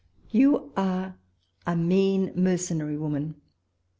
You are a mean, mercenary woman.